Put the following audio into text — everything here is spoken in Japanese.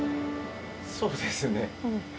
そうですね。